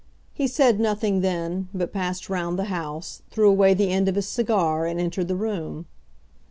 He said nothing then, but passed round the house, threw away the end of his cigar, and entered the room.